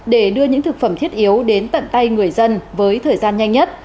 để đưa những thực phẩm thiết yếu đến tận tay người dân với thời gian nhanh nhất